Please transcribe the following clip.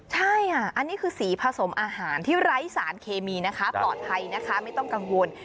ใช่ค่ะอันนี้คือสีผสมอาหารที่ไร้สารเคมีนะคะปลอดภัยนะคะไม่ต้องกังวล